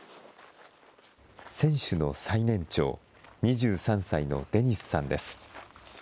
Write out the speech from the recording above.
選手の最年長、２３歳のデニスさんです。